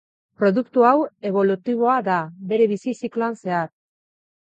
Produktu hau ebolutiboa da bere bizi zikloan zehar.